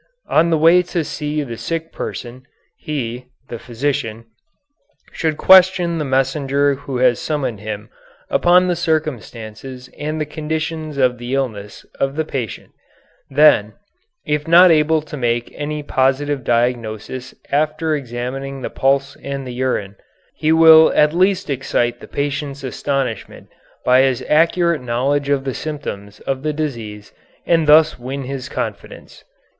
"On the way to see the sick person he [the physician] should question the messenger who has summoned him upon the circumstances and the conditions of the illness of the patient; then, if not able to make any positive diagnosis after examining the pulse and the urine, he will at least excite the patient's astonishment by his accurate knowledge of the symptoms of the disease and thus win his confidence."